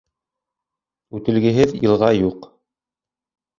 Үтелгеһеҙ йылға юҡ.